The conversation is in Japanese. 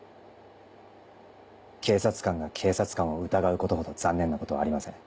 警察官が警察官を疑うことほど残念なことはありません。